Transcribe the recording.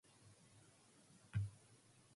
From there we took slowly some other direction.